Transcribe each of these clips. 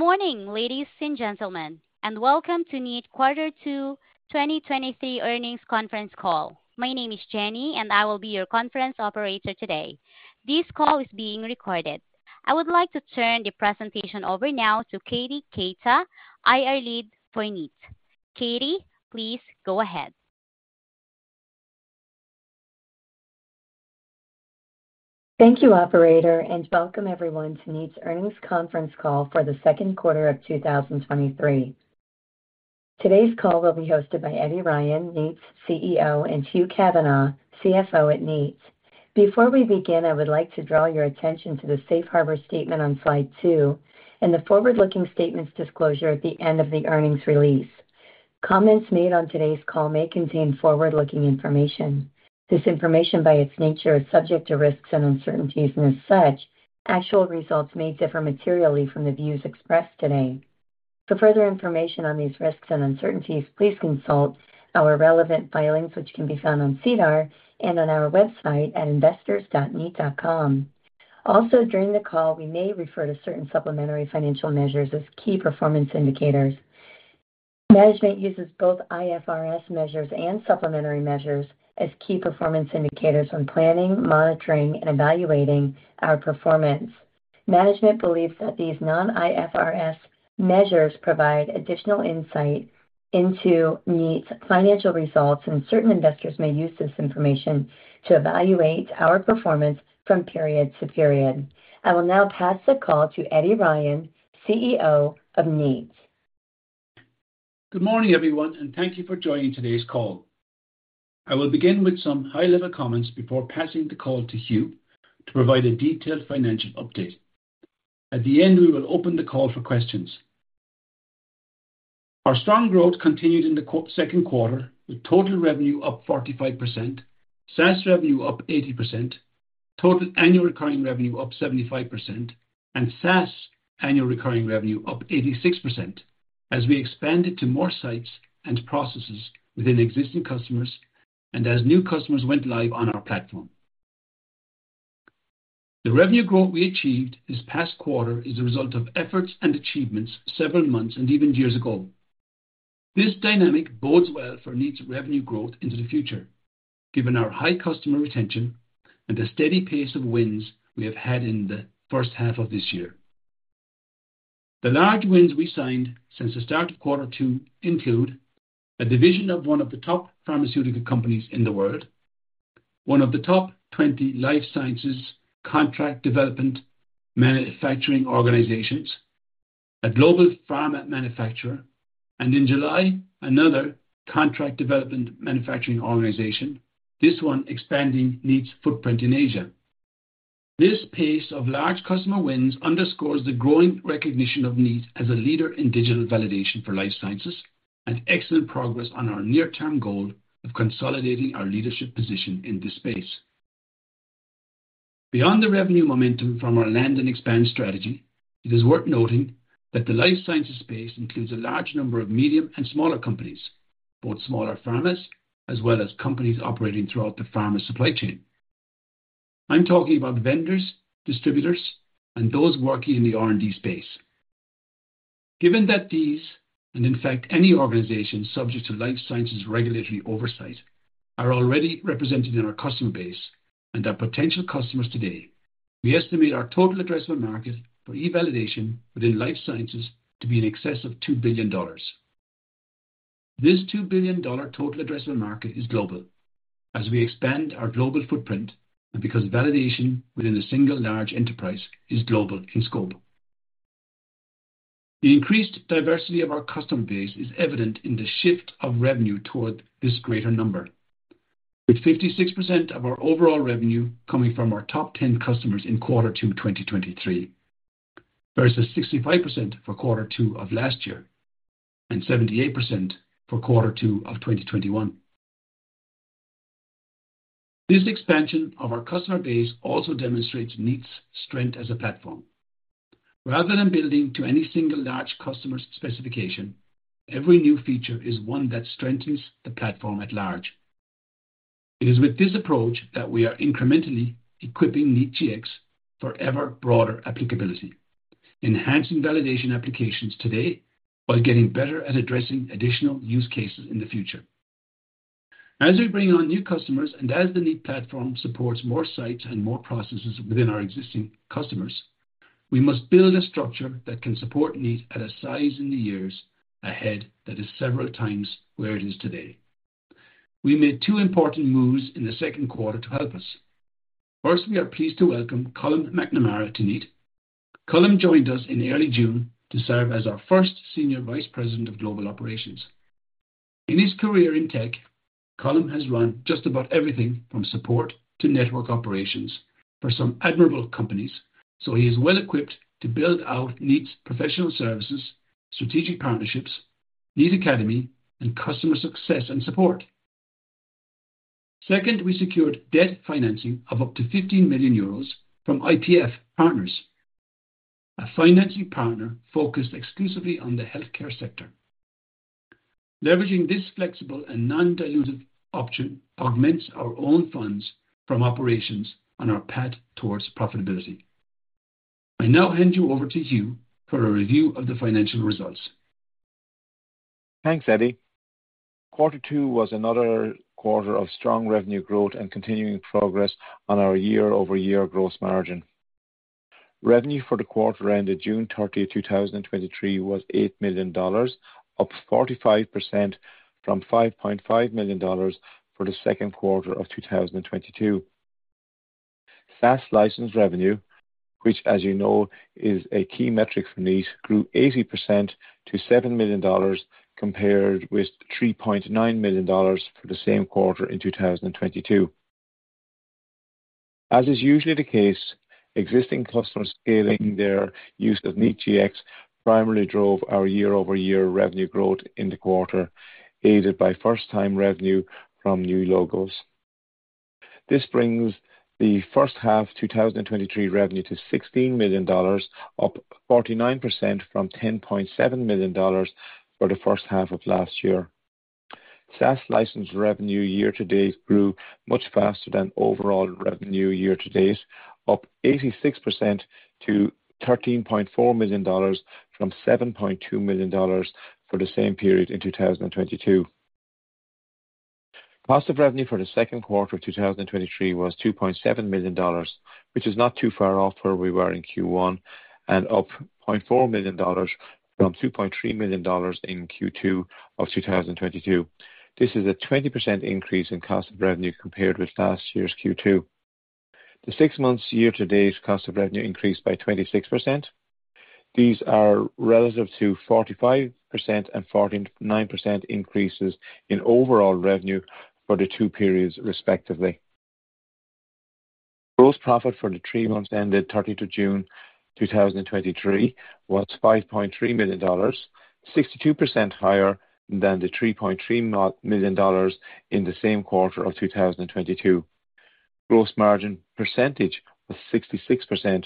Morning, ladies and gentlemen, welcome to Kneat.com Quarter Two 2023 earnings conference call. My name is Jenny, and I will be your conference operator today. This call is being recorded. I would like to turn the presentation over now to Katie Keita, Investor Relations Lead for Kneat.com. Katie, please go ahead. Thank you, operator. Welcome everyone to Kneat's earnings conference call for the second quarter of 2023. Today's call will be hosted by Eddie Ryan, Kneat's CEO, and Hugh Kavanagh, CFO at Kneat. Before we begin, I would like to draw your attention to the safe harbor statement on slide two and the forward-looking statements disclosure at the end of the earnings release. Comments made on today's call may contain forward-looking information. This information, by its nature, is subject to risks and uncertainties, and as such, actual results may differ materially from the views expressed today. For further information on these risks and uncertainties, please consult our relevant filings, which can be found on SEDAR and on our website at investors.kneat.com. During the call, we may refer to certain supplementary financial measures as key performance indicators. Management uses both IFRS measures and supplementary measures as key performance indicators when planning, monitoring, and evaluating our performance. Management believes that these non-IFRS measures provide additional insight into Kneat.com's financial results. Certain investors may use this information to evaluate our performance from period to period. I will now pass the call to Eddie Ryan, CEO of Kneat.com. Good morning, everyone, and thank you for joining today's call. I will begin with some high-level comments before passing the call to Hugh to provide a detailed financial update. At the end, we will open the call for questions. Our strong growth continued in the second quarter, with total revenue up 45%, SaaS revenue up 80%, total annual recurring revenue up 75%, and SaaS annual recurring revenue up 86%, as we expanded to more sites and processes within existing customers and as new customers went live on our platform. The revenue growth we achieved this past quarter is a result of efforts and achievements several months and even years ago. This dynamic bodes well for Kneat's revenue growth into the future, given our high customer retention and the steady pace of wins we have had in the first half of this year. The large wins we signed since the start of quarter two include a division of one of the top pharmaceutical companies in the world, one of the top 20 life sciences contract development manufacturing organizations, a global pharma manufacturer, and in July, another contract development manufacturing organization, this one expanding Kneat's footprint in Asia. This pace of large customer wins underscores the growing recognition of Kneat as a leader in digital validation for life sciences, and excellent progress on our near-term goal of consolidating our leadership position in this space. Beyond the revenue momentum from our land and expand strategy, it is worth noting that the life sciences space includes a large number of medium and smaller companies, both smaller pharmas as well as companies operating throughout the pharma supply chain. I'm talking about vendors, distributors, and those working in the R&D space. Given that these, and in fact, any organization subject to life sciences regulatory oversight, are already represented in our customer base and are potential customers today, we estimate our total addressable market for e-validation within life sciences to be in excess of $2 billion. This $2 billion total addressable market is global as we expand our global footprint and because validation within a single large enterprise is global in scope. The increased diversity of our customer base is evident in the shift of revenue toward this greater number, with 56% of our overall revenue coming from our top 10 customers in Q2 2023, versus 65% for Q2 of last year and 78% for Q2 of 2021. This expansion of our customer base also demonstrates Kneat's strength as a platform. Rather than building to any single large customer's specification, every new feature is one that strengthens the platform at large. It is with this approach that we are incrementally equipping Kneat Gx for ever broader applicability, enhancing validation applications today while getting better at addressing additional use cases in the future. As we bring on new customers, and as the Kneat platform supports more sites and more processes within our existing customers, we must build a structure that can support Kneat at a size in the years ahead that is several times where it is today. We made two important moves in the second quarter to help us. First, we are pleased to welcome Colum McNamara to Kneat. Colum joined us in early June to serve as our first Senior Vice President of Global Operations. In his career in tech, Colum has run just about everything from support to network operations for some admirable companies, so he is well-equipped to build out Kneat's professional services, strategic partnerships, Kneat Academy, and customer success and support. Second, we secured debt financing of up to 15 million euros from IPF Partners, a financing partner focused exclusively on the healthcare sector. Leveraging this flexible and non-dilutive option augments our own funds from operations on our path towards profitability. I now hand you over to Hugh for a review of the financial results. Thanks, Eddie. Quarter two was another quarter of strong revenue growth and continuing progress on our year-over-year growth margin. Revenue for the quarter ended June 30, 2023, was $8 million, up 45% from $5.5 million for the second quarter of 2022. SaaS license revenue, which, as you know, is a key metric for Kneat, grew 80% to $7 million, compared with $3.9 million for the same quarter in 2022. As is usually the case, existing customers scaling their use of Kneat Gx primarily drove our year-over-year revenue growth in the quarter, aided by first-time revenue from new logos. This brings the first half 2023 revenue to $16 million, up 49% from $10.7 million for the first half of last year. SaaS license revenue year-to-date grew much faster than overall revenue year-to-date, up 86% to $13.4 million from $7.2 million for the same period in 2022. Cost of revenue for the second quarter of 2023 was $2.7 million, which is not too far off where we were in Q1 and up $0.4 million from $2.3 million in Q2 of 2022. This is a 20% increase in cost of revenue compared with last year's Q2. The six months year-to-date cost of revenue increased by 26%. These are relative to 45% and 49% increases in overall revenue for the two periods, respectively. Gross profit for the three months ended June 30, 2023, was $5.3 million, 62% higher than the $3.3 million in the same quarter of 2022. Gross margin percentage was 66%,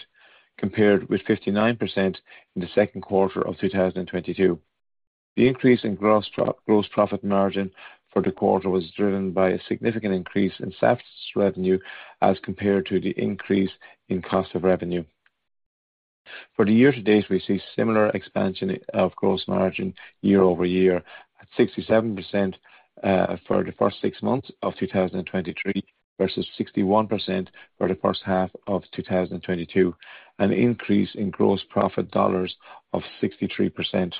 compared with 59% in the second quarter of 2022. The increase in gross profit margin for the quarter was driven by a significant increase in SaaS revenue as compared to the increase in cost of revenue. For the year-to-date, we see similar expansion of gross margin year-over-year at 67% for the first six months of 2023 versus 61% for the first half of 2022, an increase in gross profit dollars of 63%.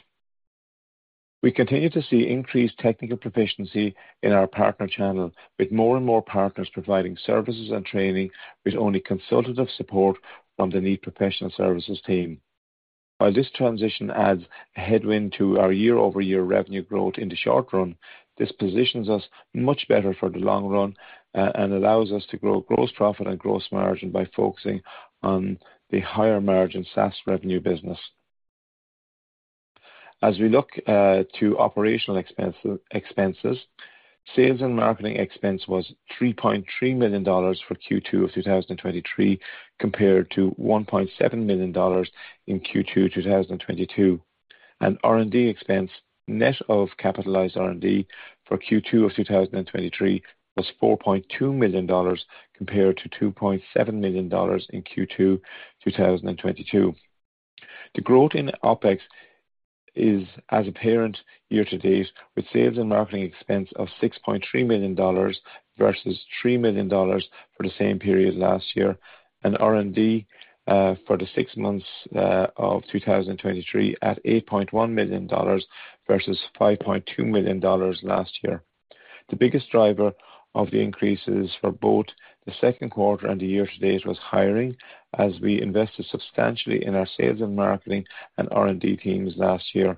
We continue to see increased technical proficiency in our partner channel, with more and more partners providing services and training, with only consultative support from the Kneat professional services team. While this transition adds a headwind to our year-over-year revenue growth in the short run, this positions us much better for the long run, and allows us to grow gross profit and gross margin by focusing on the higher margin SaaS revenue business. As we look to operational expense, expenses, sales and marketing expense was $3.3 million for Q2 2023, compared to $1.7 million in Q2 2022. R&D expense, net of capitalized R&D for Q2 2023 was $4.2 million compared to $2.7 million in Q2 2022. The growth in OpEx is as apparent year-to-date, with sales and marketing expense of $6.3 million versus $3 million for the same period last year, and R&D for the six months of 2023, at $8.1 million versus $5.2 million last year. The biggest driver of the increases for both the second quarter and the year-to-date was hiring, as we invested substantially in our sales and marketing and R&D teams last year.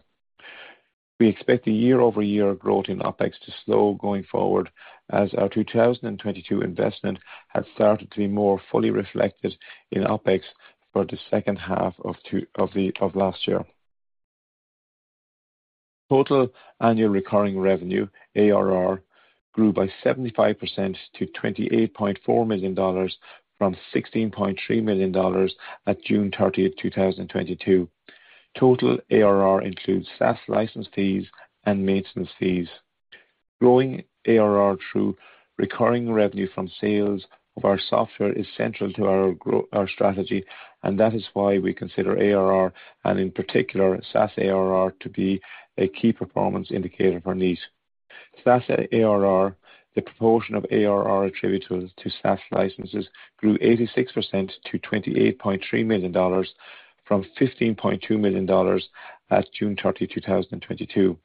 We expect the year-over-year growth in OpEx to slow going forward, as our 2022 investment has started to be more fully reflected in OpEx for the second half of the, of last year. Total annual recurring revenue, ARR, grew by 75% to $28.4 million from $16.3 million at June 30, 2022. Total ARR includes SaaS license fees and maintenance fees. Growing ARR through recurring revenue from sales of our software is central to our strategy, and that is why we consider ARR, and in particular, SaaS ARR, to be a key performance indicator for Kneat. SaaS ARR, the proportion of ARR attributable to SaaS licenses, grew 86% to $28.3 million from $15.2 million as of June 30, 2022.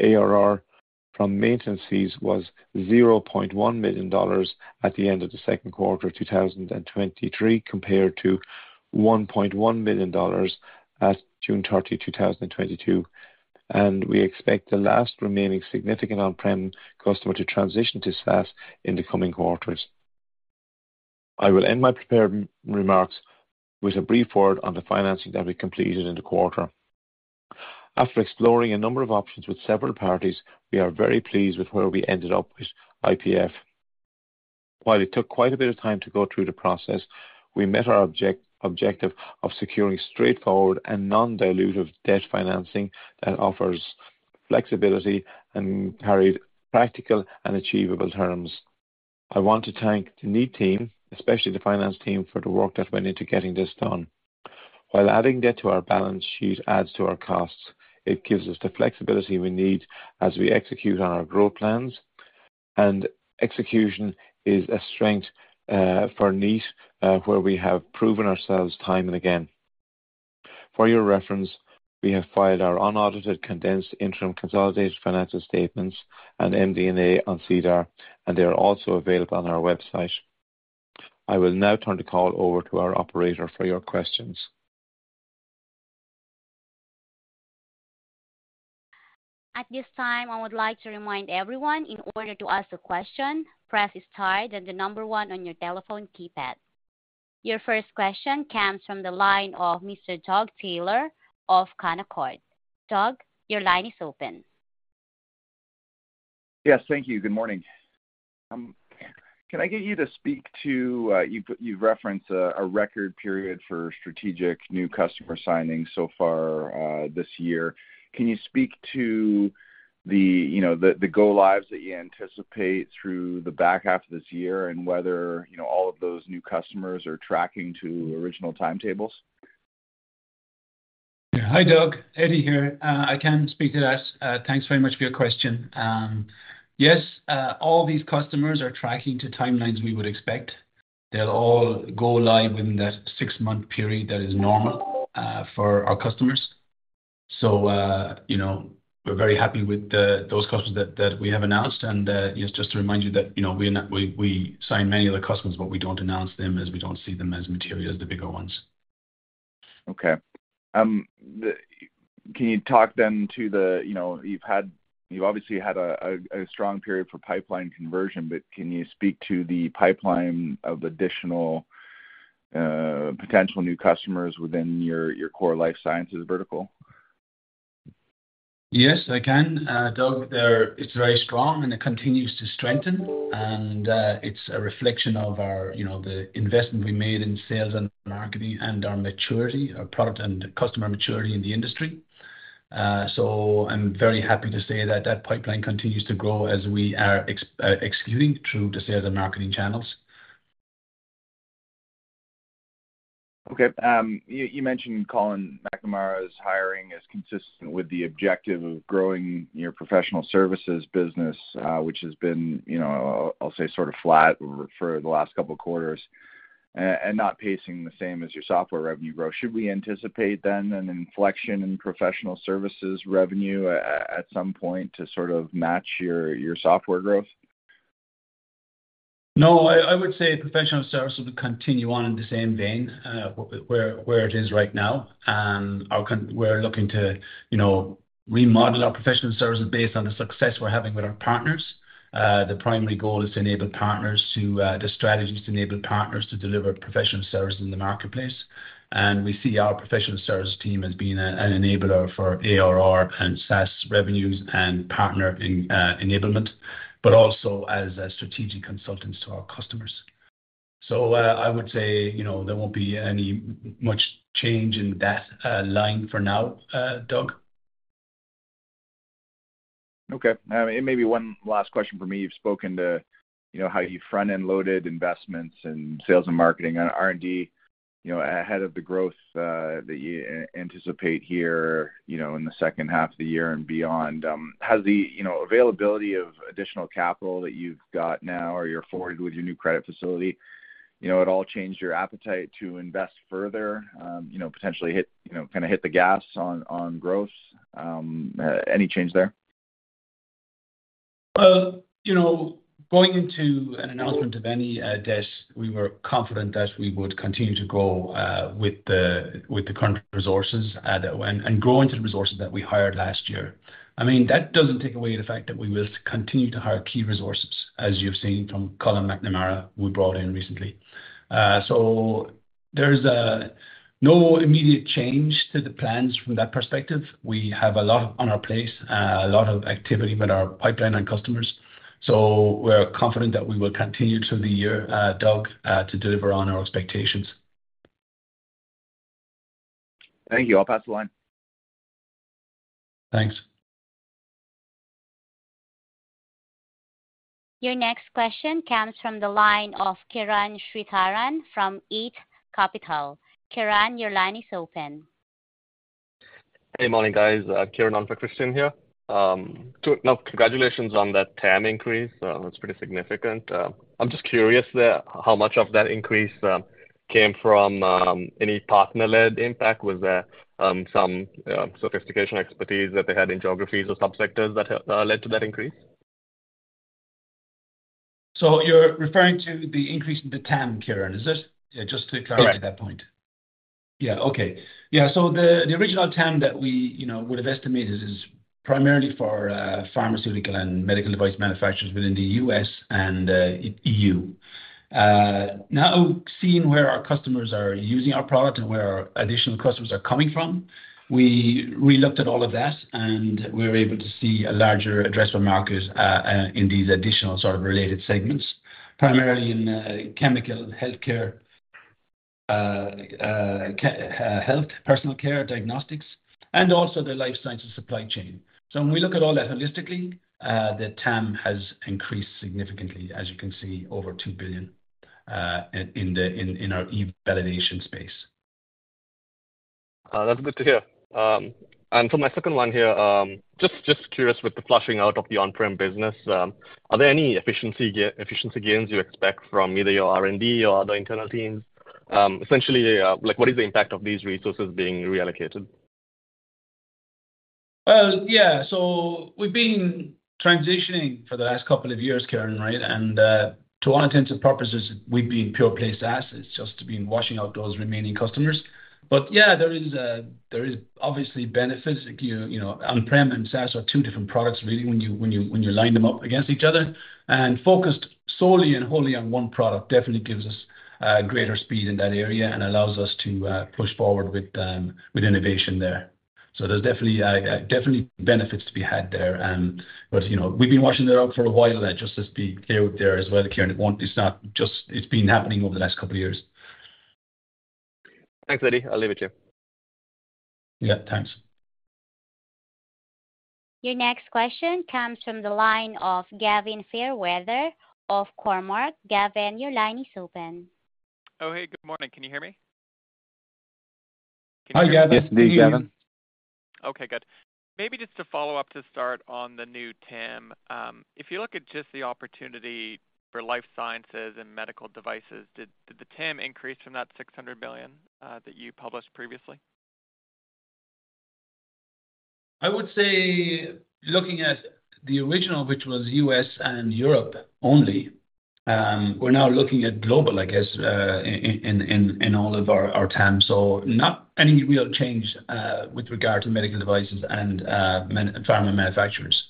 ARR from maintenance fees was $0.1 million at the end of the second quarter of 2023, compared to $1.1 million at June 30, 2022. We expect the last remaining significant on-prem customer to transition to SaaS in the coming quarters. I will end my prepared remarks with a brief word on the financing that we completed in the quarter. After exploring a number of options with several parties, we are very pleased with where we ended up with IPF. While it took quite a bit of time to go through the process, we met our objective of securing straightforward and non-dilutive debt financing that offers flexibility and carried practical and achievable terms. I want to thank the Kneat team, especially the finance team, for the work that went into getting this done. While adding debt to our balance sheet adds to our costs, it gives us the flexibility we need as we execute on our growth plans. Execution is a strength for Kneat, where we have proven ourselves time and again. For your reference, we have filed our unaudited, condensed interim consolidated financial statements and MD&A on SEDAR, they are also available on our website. I will now turn the call over to our operator for your questions. At this time, I would like to remind everyone, in order to ask a question, press star, then one on your telephone keypad. Your first question comes from the line of Mr. Doug Taylor of Canaccord. Doug, your line is open. Yes, thank you. Good morning. Can I get you to speak to, you, you reference a, a record period for strategic new customer signings so far, this year. Can you speak to the, the go lives that you anticipate through the back half of this year, and whether, all of those new customers are tracking to original timetables? Hi, Doug. Eddie here. I can speak to that. Thanks very much for your question. Yes, all these customers are tracking to timelines we would expect. They'll all go live within that six month period that is normal for our customers. You know, we're very happy with the, those customers that, that we have announced. Yes, just to remind you that, you know, we sign many other customers, but we don't announce them, as we don't see them as material as the bigger ones. Okay. Can you talk then to the, you know, You've obviously had a strong period for pipeline conversion, but can you speak to the pipeline of additional, potential new customers within your, your core life sciences vertical? Yes, I can, Doug. There, it's very strong, and it continues to strengthen. It's a reflection of our, you know, the investment we made in sales and marketing and our maturity, our product and customer maturity in the industry. So I'm very happy to say that that pipeline continues to grow as we are executing through the sales and marketing channels. Okay. You, you mentioned Colum McNamara's hiring as consistent with the objective of growing your professional services business, which has been, you know, I'll say sort of flat for the last two quarters, and not pacing the same as your software revenue growth. Should we anticipate then an inflection in professional services revenue at some point to sort of match your, your software growth? No, I, I would say professional services will continue on in the same vein, where it is right now. Our we're looking to, you know, remodel our professional services based on the success we're having with our partners. The primary goal is to enable partners to, the strategy is to enable partners to deliver professional services in the marketplace. We see our professional service team as being a, an enabler for ARR and SaaS revenues and partner enablement, but also as a strategic consultant to our customers. I would say, you know, there won't be any much change in that line for now, Doug. Okay. It may be one last question for me. You've spoken to, you know, how you front-end loaded investments in sales and marketing and R&D, you know, ahead of the growth that you anticipate here, you know, in the second half of the year and beyond. Has the, you know, availability of additional capital that you've got now or you're afforded with your new credit facility, you know, at all changed your appetite to invest further, you know, potentially hit, you know, kind of hit the gas on, on growth? Any change there? You know, going into an announcement of any debt, we were confident that we would continue to grow with the current resources and grow into the resources that we hired last year. I mean, that doesn't take away the fact that we will continue to hire key resources, as you've seen from Colum McNamara, who we brought in recently. There's no immediate change to the plans from that perspective. We have a lot on our plates, a lot of activity with our pipeline and customers, so we're confident that we will continue through the year, Doug, to deliver on our expectations. Thank you. I'll pass the line. Thanks. Your next question comes from the line of Kiran Sritharan from Eight Capital. Kiran, your line is open. Hey, morning, guys. Kiran from Christian here. Now, congratulations on that TAM increase. That's pretty significant. I'm just curious, how much of that increase came from any partner-led impact? Was there some sophistication expertise that they had in geographies or subsectors that led to that increase? You're referring to the increase in the TAM, Kiran, is it? Yeah, just to clarify that point. Correct. Yeah. Okay. Yeah, so the original TAM that we, you know, would have estimated is primarily for pharmaceutical and medical device manufacturers within the U.S. and E.U. Now, seeing where our customers are using our product and where additional customers are coming from, we, we looked at all of that, and we're able to see a larger addressable market in these additional sort of related segments, primarily in chemical, healthcare, personal care, diagnostics, and also the life sciences supply chain. When we look at all that holistically, the TAM has increased significantly, as you can see, over $2 billion in our e-validation space. That's good to hear. For my second one here, just curious, with the flushing out of the on-prem business, are there any efficiency gains you expect from either your R&D or other internal teams? Essentially, like, what is the impact of these resources being reallocated? Well, yeah. We've been transitioning for the last two years, Kiran, right? To all intents and purposes, we've been pure play SaaS. It's just been washing out those remaining customers. Yeah, there is obviously benefits. You know, on-prem and SaaS are two different products, really, when you, when you, when you line them up against each other. Focused solely and wholly on one product definitely gives us greater speed in that area and allows us to push forward with innovation there. There's definitely benefits to be had there. You know, we've been washing it out for a while now, just to be clear out there as well, Kiran. It's been happening over the last two years. Thanks, Eddie. I'll leave it to you. Yeah, thanks. Your next question comes from the line of Gavin Fairweather of Cormark. Gavin, your line is open. Oh, hey, good morning. Can you hear me? Hi, Gavin. Yes, indeed, Gavin. Okay, good. Maybe just to follow up, to start on the new TAM, if you look at just the opportunity for life sciences and medical devices, did, did the TAM increase from that $600 billion that you published previously? I would say looking at the original, which was U.S. and Europe only, we're now looking at global, I guess, in all of our, our TAM. Not any real change with regard to medical devices and pharma manufacturers.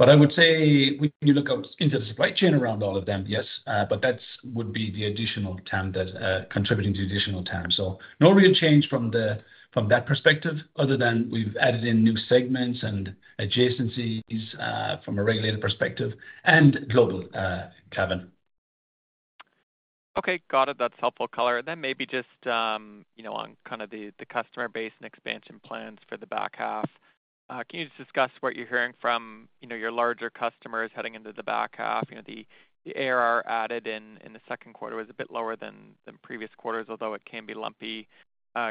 I would say when you look out into the supply chain around all of them, yes, but that would be the additional TAM that contributing to the additional TAM. No real change from that perspective, other than we've added in new segments and adjacencies from a regulated perspective and global, Gavin. Okay, got it. That's helpful color. Then maybe just, you know, on kind of the, the customer base and expansion plans for the back half, can you just discuss what you're hearing from, you know, your larger customers heading into the back half? You know, the ARR added in the second quarter was a bit lower than previous quarters, although it can be lumpy.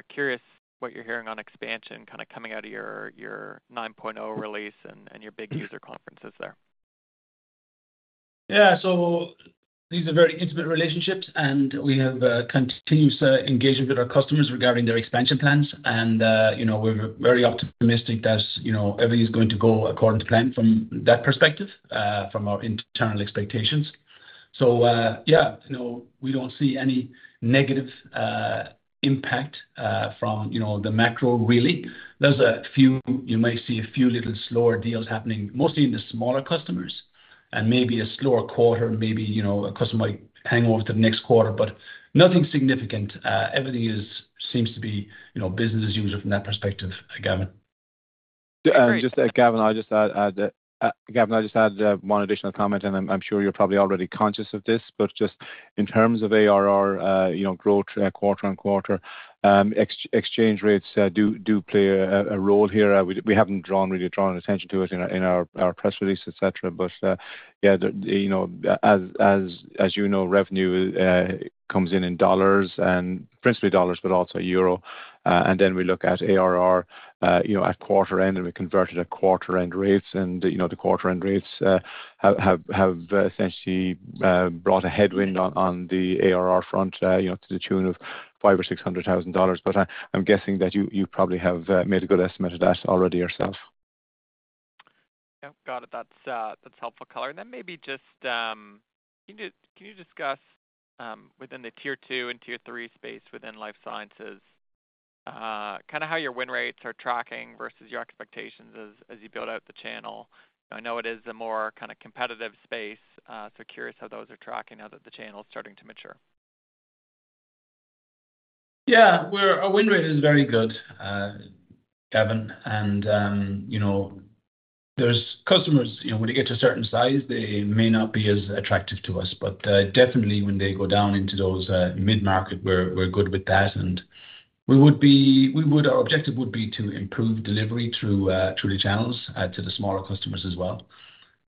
Curious what you're hearing on expansion kind of coming out of your 9.0 release and your big user conferences there. Yeah. These are very intimate relationships, we have continuous engagement with our customers regarding their expansion plans. You know, we're very optimistic that, you know, everything is going to go according to plan from that perspective, from our internal expectations. Yeah, you know, we don't see any negative impact from, you know, the macro, really. There's a few You may see a few little slower deals happening, mostly in the smaller customers, maybe a slower quarter, maybe, you know, a customer might hang over to the next quarter, but nothing significant. Everything is, seems to be, you know, business as usual from that perspective, Gavin. Great Yeah, just Gavin, I'll just add, add Gavin, I'll just add one additional comment, and I'm, I'm sure you're probably already conscious of this, but just in terms of ARR, you know, growth, quarter-on-quarter, ex-exchange rates, do, do play a, a role here. We, we haven't drawn, really drawn attention to it in our, in our, our press release, et cetera. Yeah, the, you know, as, as, as you know, revenue, comes in, in dollars and principally dollars, but also euro. Then we look at ARR, you know, at quarter end, and we convert it at quarter end rates. You know, the quarter end rates, have essentially brought a headwind on, on the ARR front, you know, to the tune of $500,000-$600,000. I'm guessing that you probably have made a good estimate of that already yourself. Yeah, got it. That's, that's helpful color. Then maybe just, can you, can you discuss, within the tier two and tier three space within life sciences, kind of how your win rates are tracking versus your expectations as, as you build out the channel? I know it is a more kind of competitive space, so curious how those are tracking now that the channel is starting to mature. Yeah. Well, our win rate is very good, Gavin, and, you know, there's customers, you know, when they get to a certain size, they may not be as attractive to us. But, definitely when they go down into those mid-market, we're good with that, and our objective would be to improve delivery through through the channels to the smaller customers as well.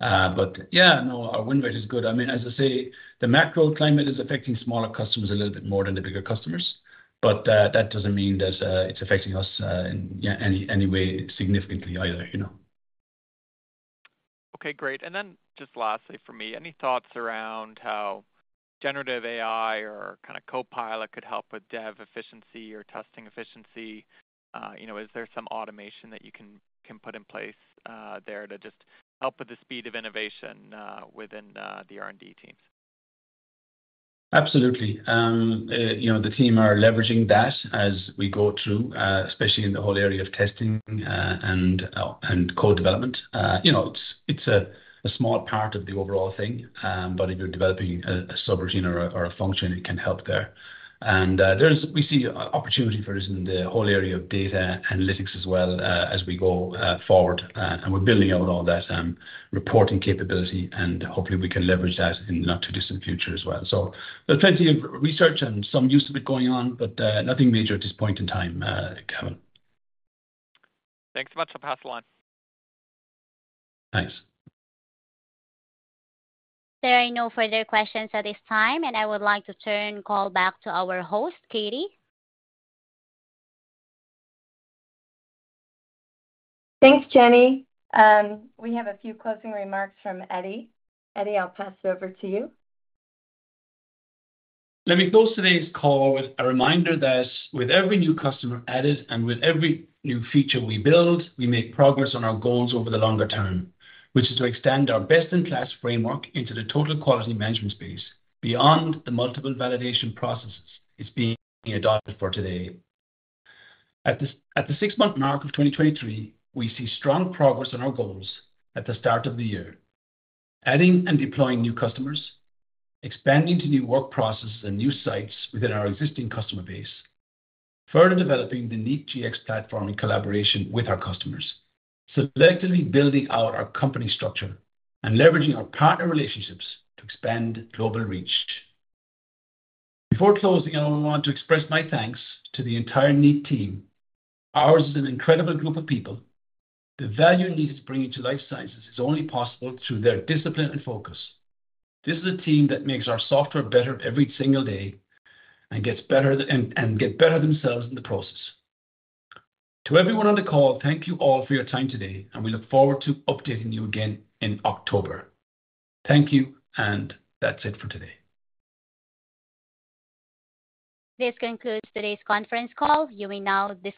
But yeah, no, our win rate is good. I mean, as I say, the macro climate is affecting smaller customers a little bit more than the bigger customers, but that doesn't mean that it's affecting us in yeah, any, any way significantly either, you know? Okay, great. Then just lastly for me, any thoughts around how generative AI or kind of copilot could help with dev efficiency or testing efficiency? You know, is there some automation that you can, can put in place there to just help with the speed of innovation within the R&D team? Absolutely. You know, the team are leveraging that as we go through, especially in the whole area of testing, and code development. You know, it's, it's a, a small part of the overall thing, but if you're developing a, a subroutine or a, or a function, it can help there. There's we see opportunity for this in the whole area of data analytics as well, as we go forward. We're building out all that, reporting capability, and hopefully, we can leverage that in the not-too-distant future as well. There's plenty of research and some use of it going on, but nothing major at this point in time, Gavin. Thanks so much. I'll pass the line. Thanks. There are no further questions at this time, and I would like to turn the call back to our host, Katie. Thanks, Jenny. We have a few closing remarks from Eddie. Eddie, I'll pass it over to you. Let me close today's call with a reminder that with every new customer added and with every new feature we build, we make progress on our goals over the longer term, which is to extend our best-in-class framework into the total quality management space beyond the multiple validation processes it's being adopted for today. At the six-month mark of 2023, we see strong progress on our goals at the start of the year: adding and deploying new customers, expanding to new work processes and new sites within our existing customer base, further developing the Kneat Gx platform in collaboration with our customers, selectively building out our company structure, and leveraging our partner relationships to expand global reach. Before closing, I only want to express my thanks to the entire Kneat team. Ours is an incredible group of people. The value NEAT is bringing to life sciences is only possible through their discipline and focus. This is a team that makes our software better every single day and gets better, and get better themselves in the process. To everyone on the call, thank you all for your time today, and we look forward to updating you again in October. Thank you. That's it for today. This concludes today's conference call. You may now disconnect.